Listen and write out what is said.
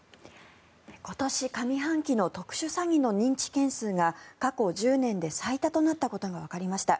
今年上半期の特殊詐欺の認知件数が過去１０年で最多となったことがわかりました。